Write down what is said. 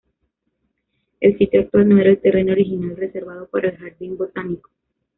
El sitio actual no era el terreno original reservado para el jardín botánico.